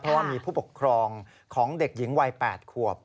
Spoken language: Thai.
เพราะว่ามีผู้ปกครองของเด็กหญิงวัย๘ขวบ